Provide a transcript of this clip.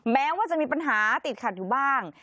แม้ว่าจะมีปัญหาติดขัดอยู่บ้าง